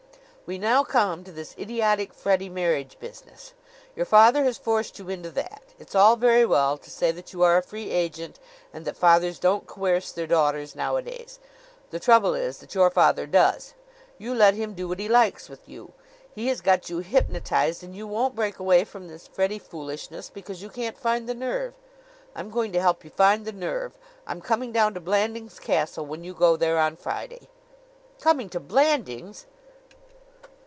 "We now come to this idiotic Freddie marriage business. Your father has forced you into that. It's all very well to say that you are a free agent and that fathers don't coerce their daughters nowadays. The trouble is that your father does. You let him do what he likes with you. He has got you hypnotized; and you won't break away from this Freddie foolishness because you can't find the nerve. I'm going to help you find the nerve. I'm coming down to Blandings Castle when you go there on Friday." "Coming to Blandings!"